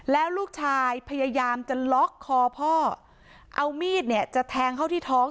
แล้วลูกชายพยายามจะล็อกคอพ่อเอามีดเนี่ยจะแทงเข้าที่ท้อง